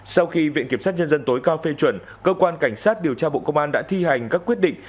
sau khi viện kiểm sát nhân dân tối cao phê chuẩn cơ quan cảnh sát điều tra bộ công an đã thi hành các quyết định